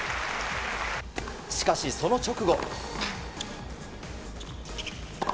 しかし、その直後。